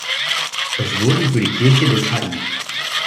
Es wurden für die Kirche des Hl.